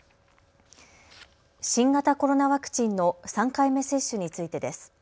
新型コロナワクチンの３回目接種についてです。